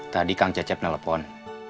tadi kang cecep telepon